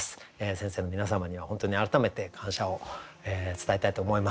先生の皆様には本当に改めて感謝を伝えたいと思います。